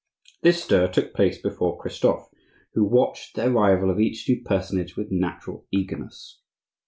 This stir took place before Christophe, who watched the arrival of each new personage with natural eagerness.